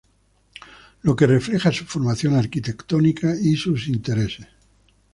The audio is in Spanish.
Lo que reflejaba su formación arquitectónica y sus intereses.